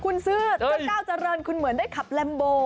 คุณซื้อตัวเจ้าเจริญคุณเหมือนได้ขับแลมโบ